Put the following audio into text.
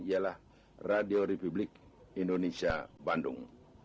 ialah radio republik indonesia bandung